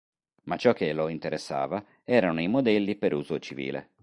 Ma ciò che lo interessava erano i modelli per uso civile.